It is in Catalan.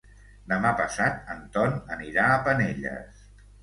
Demà passat en Ton anirà a Penelles.